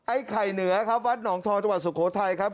ไข่เหนือครับวัดหนองทองจังหวัดสุโขทัยครับ